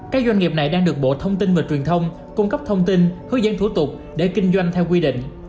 các doanh nghiệp này đang được bộ thông tin và truyền thông cung cấp thông tin hướng dẫn thủ tục để kinh doanh theo quy định